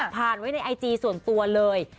ไว้ในไอจีส่วนตัวเลย